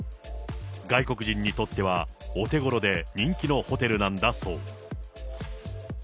外国人にとってはお手ごろで人気のホテルなんだそう。